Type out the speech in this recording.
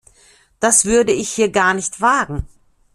Das würde ich hier gar nicht wagen.